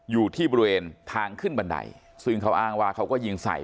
อยู่ที่บริเวณทางขึ้นบันไดซึ่งเขาอ้างว่าเขาก็ยิงใส่